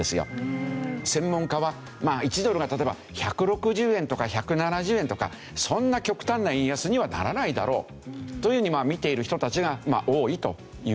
専門家は１ドルが例えば１６０円とか１７０円とかそんな極端な円安にはならないだろうという風に見ている人たちが多いという事ですよね。